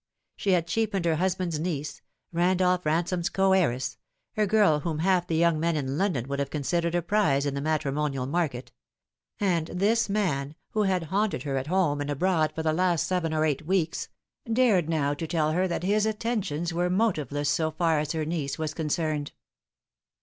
She had cheapened her hus band's niece Randolph Ransorne's co heiress a girl whom half the young men in London would have considered a prize in the matrimonial market : and this man, who had haunted her ai home and abroad for the last seven or eight weeks, dared now to tell her that his attentions were motiveless so far as her niece was concerned.